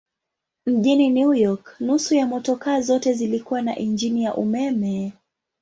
Mjini New York nusu ya motokaa zote zilikuwa na injini ya umeme.